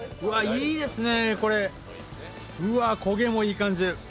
いいですね、これ、焦げもいい感じ。